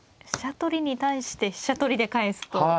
飛車取りに対して飛車取りで返すと。